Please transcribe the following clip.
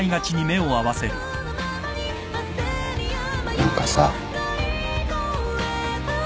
何かさ。